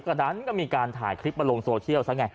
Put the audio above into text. ก็ดันก็มีการถ่ายคลิปมาลงโซเชียลซะไง